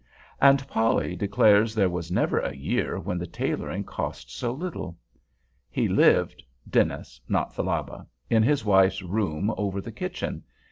And Polly declares there was never a year when the tailoring cost so little. He lived (Dennis, not Thalaba) in his wife's room over the kitchen.